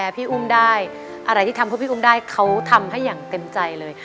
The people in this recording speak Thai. พี่อุ้มได้อะไรที่ทำเพื่อพี่อุ้มได้เขาทำให้อย่างเต็มใจเลย